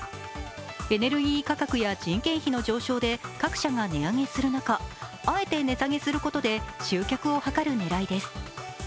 エネルギー価格や人件費の上昇で各社が値上げする中、あえて値下げすることで集客を図る狙いです。